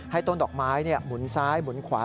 ต้นดอกไม้หมุนซ้ายหมุนขวา